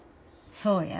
そうや。